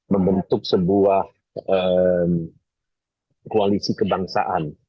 membentuk sebuah koalisi kebangsaan